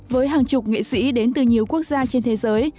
với hàng chục nghệ sĩ đến từ nhiều quốc gia trên thế giới